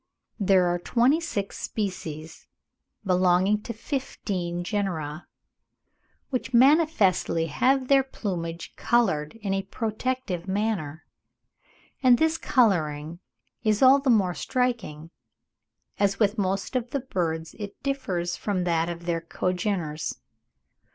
There are twenty six species belonging to fifteen genera, which manifestly have their plumage coloured in a protective manner; and this colouring is all the more striking, as with most of these birds it differs from that of their congeners.